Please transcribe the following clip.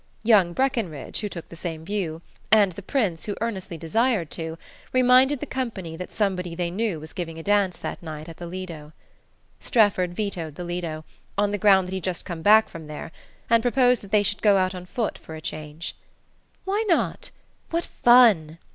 Young Breckenridge, who took the same view, and the Prince, who earnestly desired to, reminded the company that somebody they knew was giving a dance that night at the Lido. Strefford vetoed the Lido, on the ground that he'd just come back from there, and proposed that they should go out on foot for a change. "Why not? What fun!"